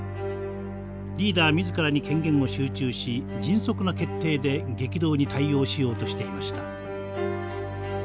リーダー自らに権限を集中し迅速な決定で激動に対応しようとしていました。